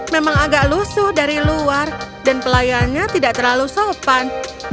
memang agak lusuh dari luar dan pelayannya tidak terlalu sopan